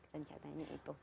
dan catanya itu